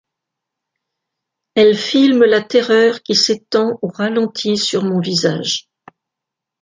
Elle filme la terreur qui s'étend au ralenti sur mon visage.